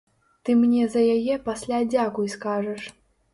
Ты мне за яе пасля дзякуй скажаш!